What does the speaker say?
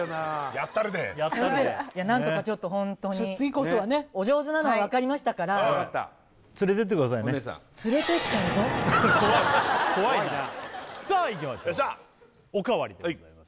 やったるで何とかちょっとホントに次こそはねお上手なのは分かりましたから連れてってくださいね怖いなさあいきましょうおかわりでございます